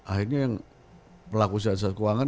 akhirnya yang pelaku sehat sehat keuangan